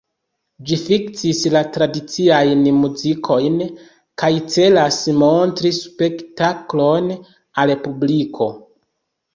Ĝi fiksis la tradiciajn muzikojn kaj celas montri spektaklon al publiko.